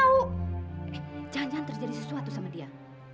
oh jangan jangan terjadi sesuatu sama dia